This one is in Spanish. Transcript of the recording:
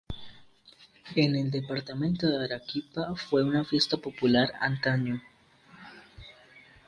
En el departamento de Arequipa fue una fiesta popular antaño.